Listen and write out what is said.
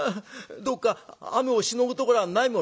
どっか雨をしのぐところはないものか」。